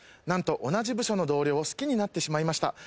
「何と同じ部署の同僚を好きになってしまいました」